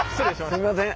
すいません。